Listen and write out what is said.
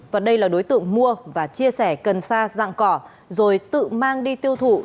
và đây là đối tượng mua và chia sẻ cần sa dạng cỏ rồi tự mang đi tiêu thụ